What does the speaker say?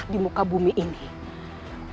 jurus itu membuatmu bian kuning